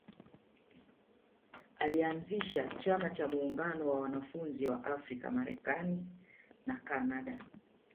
Alianzisha Chama cha muungano wa wanafunzi wa Afrika Marekani na Kanada